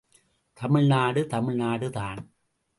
தமிழ்நாடு தமிழ்நாடு தான்!